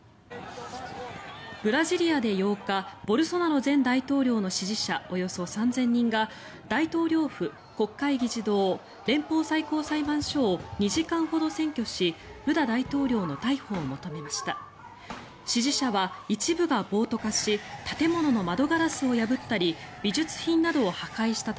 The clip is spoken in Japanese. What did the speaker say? ブラジリアで８日ボルソナロ前大統領の支持者およそ３０００人が大統領府、国会議事堂連邦最高裁判所を２時間ほど占拠しルラ大統領の逮捕を求めました。